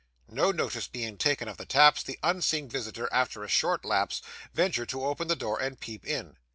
No notice being taken of the taps, the unseen visitor, after a short lapse, ventured to open the door and peep in.